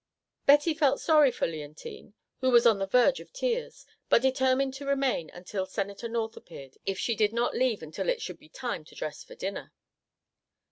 Betty felt sorry for Leontine, who was on the verge of tears, but determined to remain until Senator North appeared if she did not leave until it should be time to dress for dinner.